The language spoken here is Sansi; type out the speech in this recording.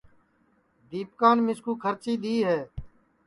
دیپکان مِسکُو کھرچی دؔی ہے